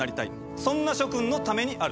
そんな諸君のためにある。